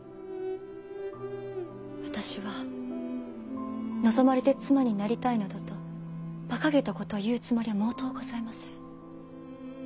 私は望まれて妻になりたいなどとバカげたことを言うつもりは毛頭ございません。